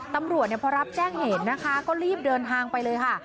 ตำรวจพอรับแจ้งเหตุนะคะก็รีบเดินทางไปเลยค่ะ